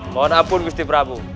mohon ampun gusti prabu